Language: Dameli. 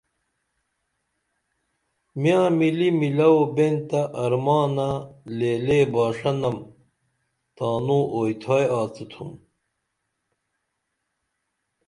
میاں مِلی مِلو بین تہ ارمانہ لےلے باݜہ نم تانوں اوتھیائی آڅتُھم